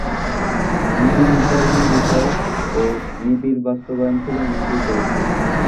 নীতি নির্ধারণী বিষয় ও নীতির বাস্তবায়ন ছিল মন্ত্রীর দায়িত্ব।